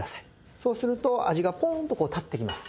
そうすると味がポンとこう立ってきます。